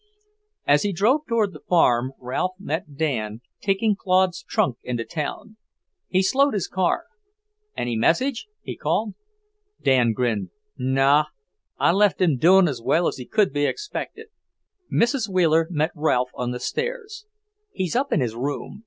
As he drove toward the farm, Ralph met Dan, taking Claude's trunk into town. He slowed his car. "Any message?" he called. Dan grinned. "Naw. I left him doin' as well as could be expected." Mrs. Wheeler met Ralph on the stairs. "He's up in his room.